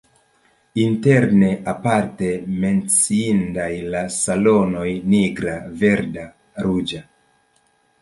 Interne aparte menciindaj la salonoj nigra, verda, ruĝa.